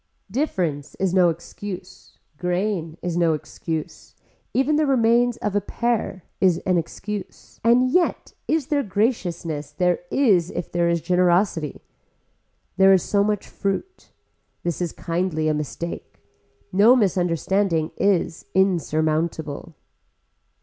Difference is no excuse, grain is no excuse, even the remains of a pear is an excuse and yet is there graciousness, there is if there is generosity. There is so much fruit. This is kindly a mistake. No misunderstanding is insurmountable.